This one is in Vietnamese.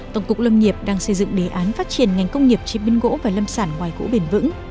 tổng cục lâm nghiệp đang xây dựng đề án phát triển ngành công nghiệp chế biến gỗ và lâm sản ngoài gỗ bền vững